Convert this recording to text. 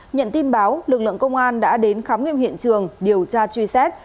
nhận tin báo lực lượng công an đã đến khám nghiệm hiện trường điều tra truy xét